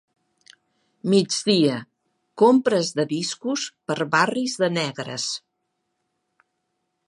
Migdia: compres de discos per barris de negres.